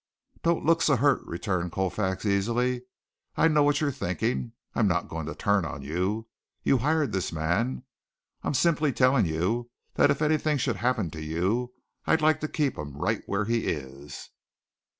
"Don't look so hurt," returned Colfax easily. "I know what you're thinking. I'm not going to turn on you. You hired this man. I'm simply telling you that if anything should happen to you I'd like to keep him right where he is."